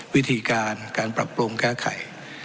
วิธีการการปรับปรุงแก้ไข